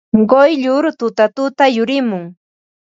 Quyllur tutatuta yurimun.